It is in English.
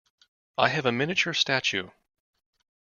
I have a miniature statue.